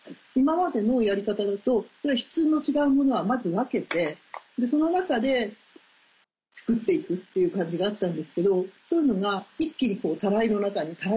今までのやり方だと質の違うものはまず分けてその中で作って行くっていう感じがあったんですけどそういうのが一気に盥の中に。